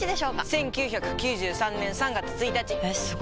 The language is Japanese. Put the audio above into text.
１９９３年３月１日！えすご！